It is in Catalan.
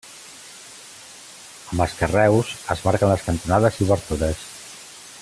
Amb els carreus es marquen les cantonades i obertures.